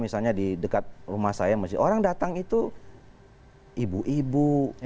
misalnya di dekat rumah saya masih orang datang itu ibu ibu